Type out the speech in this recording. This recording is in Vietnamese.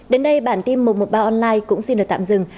đến đây bản tin một trăm một mươi ba online cũng xin được tạm dừng